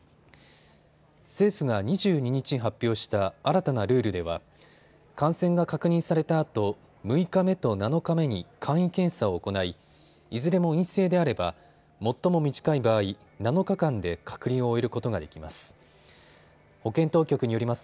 政府が２２日、発表した新たなルールでは感染が確認されたあと、６日目と７日目に簡易検査を行いいずれも陰性であれば最も短い場合、７日間で隔離を終えることができます。